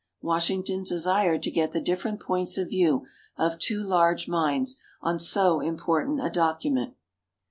Washington desired to get the different points of view of two large minds, on so important a document.